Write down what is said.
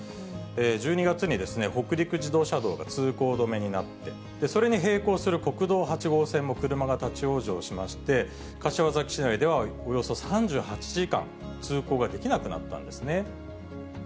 １２月に北陸自動車道が通行止めになって、それに並行する国道８号線も、車が立往生しまして、柏崎市内ではおよそ３８時間、通行ができなくなったんですね。